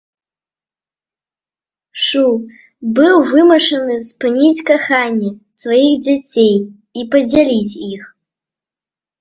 Шу быў вымушаны спыніць каханне сваіх дзяцей і падзяліць іх.